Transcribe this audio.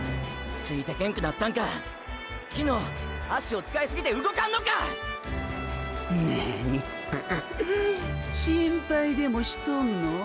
ついてけんくなったんか⁉昨日脚を使いすぎて動かんのか⁉何ププ心配でもしとるのォ？